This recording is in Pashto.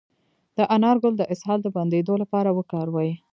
د انار ګل د اسهال د بندیدو لپاره وکاروئ